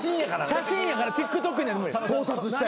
写真やからＴｉｋＴｏｋには。